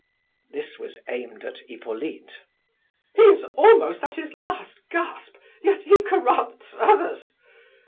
(this was aimed at Hippolyte). "He is almost at his last gasp, yet he corrupts others.